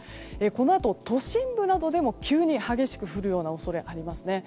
このあと、都心部などでも急に激しく降る恐れがあります。